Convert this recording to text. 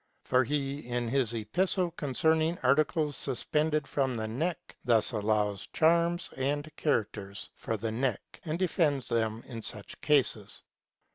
For he, in his epistle concerning articles suspended from the neck, thus allows charms and characters for the neck, and defends them in such cases.